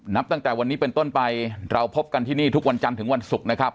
นับตั้งแต่วันนี้เป็นต้นไปเราพบกันที่นี่ทุกวันจันทร์ถึงวันศุกร์นะครับ